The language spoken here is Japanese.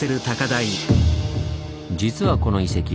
実はこの遺跡